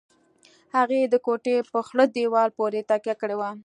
هغې د کوټې په خړ دېوال پورې تکيه کړې وه.